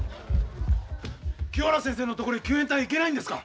清原先生の所へ救援隊は行けないんですか？